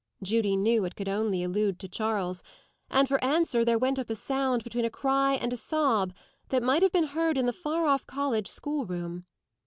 Judy knew it could only allude to Charles, and for answer there went up a sound, between a cry and a sob, that might have been heard in the far off college schoolroom.